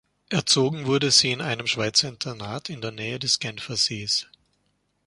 Erzogen wurde sie in einem Schweizer Internat in der Nähe des Genfersees.